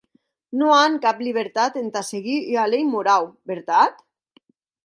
Non an cap libertat entà seguir ua lei morau, vertat?